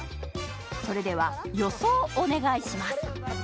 それでは予想お願いします